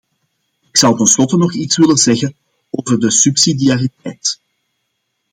Ik zou tenslotte nog iets willen zeggen over de subsidiariteit.